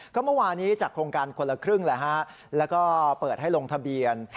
ก็เมื่อวานี้จากโครงการคนละครึ่งแล้วก็เปิดให้ลงทะเบียน